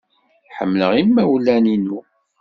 Ḥemmleɣ imawlen-innu.